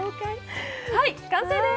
はい、完成です！